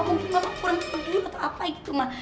mungkin mama kurang terlalu gelap atau apa gitu ma